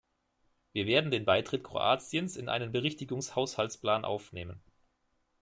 Wir werden den Beitritt Kroatiens in einen Berichtigungshaushaltsplan aufnehmen.